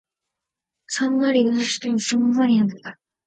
サンマリノの首都はサンマリノである